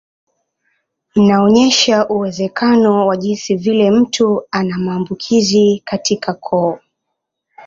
Inaonyesha uwezekano wa jinsi vile mtu ana maambukizi katika koo.